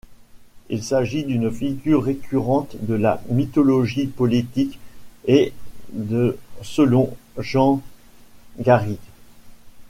Il s'agit d'une figure récurrente de la mythologie politique et d' selon Jean Garrigues.